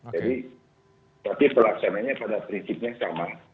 jadi tapi pelaksananya pada prinsipnya sama